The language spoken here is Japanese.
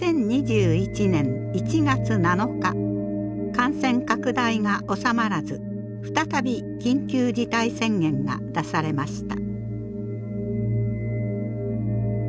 感染拡大がおさまらず再び緊急事態宣言が出されました。